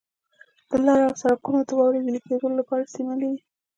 د لارو او سرکونو د واورې ویلي کولو لپاره استعمالیږي.